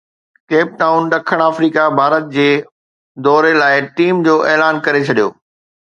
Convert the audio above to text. Cape Town ڏکڻ Africa Bharat جي دوري لاءِ ٽيم جو اعلان ڪري ڇڏيو